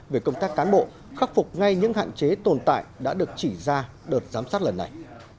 về công tác cán bộ khắc phục ngay những hạn chế tồn tại đã được chỉ ra đợt giám sát lần này